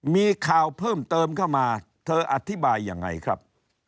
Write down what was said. มีข่าวเพิ่มเติมเข้ามาเธออธิบายยังไงครับ